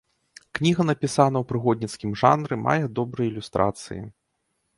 Кніга напісана ў прыгодніцкім жанры, мае добрыя ілюстрацыі.